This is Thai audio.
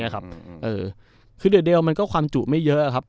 คือเดี๋ยวมันก็ความจุไม่เยอะครับ